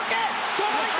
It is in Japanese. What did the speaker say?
届いた！